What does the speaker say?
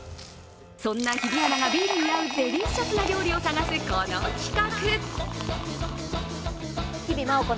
そんな日比アナがビールに合うデリシャスな料理を探す、この企画。